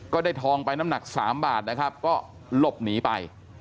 ทองไปน้ำหนัก๓บาทนะครับก็หลบหนีไป